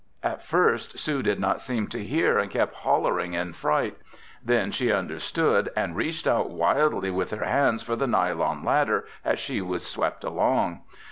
At first Sue did not seem to hear and kept hollering in fright. Then she understood and reached out wildly with her hands for the nylon ladder as she swept along.